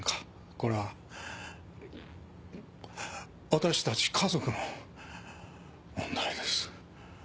これは私たち家族の問題です。